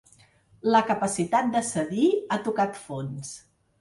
La capacitat de cedir ha tocat fons.